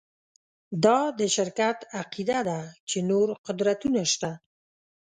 دا د شرک عقیده ده چې نور قدرتونه شته.